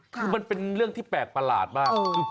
คือมันเป็นเรื่องที่แปลกประหลาดมาก